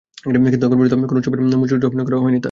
কিন্তু এখনো পর্যন্ত কোনো ছবির মূল চরিত্রে অভিনয় করা হয়নি তাঁর।